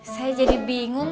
saya jadi bingung